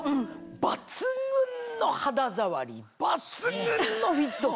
抜群の肌触り抜群のフィット感！